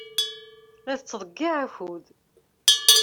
La tettḍeyyiɛ akud.